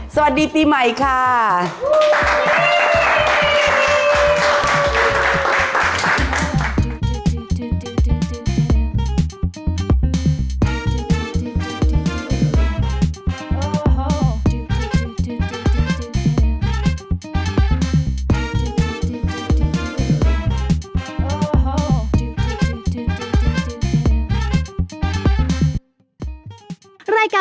สวัสดีปีใหม่ค่ะ